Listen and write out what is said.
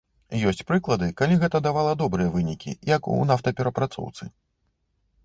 Ёсць прыклады, калі гэта давала добрыя вынікі, як у нафтаперапрацоўцы.